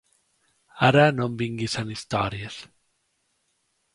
Ara no em vinguis amb històries.